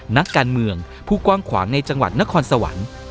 นักการเมืองผู้กว้างขวางในจังหวัดนครสวรรค์